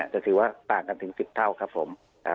จะถือว่าต่างกันถึง๑๐เท่าครับผม